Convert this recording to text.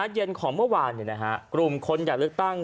เย็นของเมื่อวานกลุ่มคนอยากเลือกตั้ง